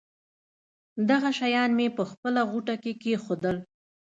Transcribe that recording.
دغه شیان مې په خپله غوټه کې کېښودل.